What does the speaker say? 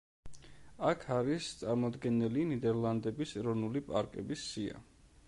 აქ არის წარმოდგენილი ნიდერლანდების ეროვნული პარკების სია.